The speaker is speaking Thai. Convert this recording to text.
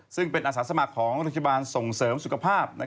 ซึ่งเป็นอาสาสมัครของโรงพยาบาลส่งเสริมสุขภาพ